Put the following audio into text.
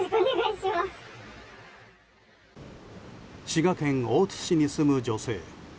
滋賀県大津市に住む女性。